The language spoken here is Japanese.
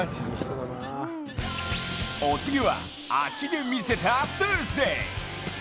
お次は足で見せたサースデー。